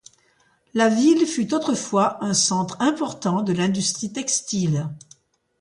La ville fut autrefois un centre important de l'industrie textile.